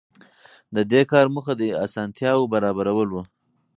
د دې کار موخه د اسانتیاوو برابرول وو.